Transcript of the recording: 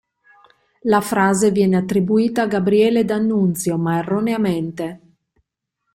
La frase viene attribuita a Gabriele D'Annunzio, ma erroneamente.